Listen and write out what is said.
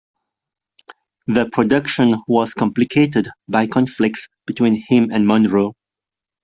The production was complicated by conflicts between him and Monroe.